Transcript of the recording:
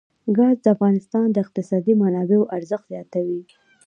ګاز د افغانستان د اقتصادي منابعو ارزښت زیاتوي.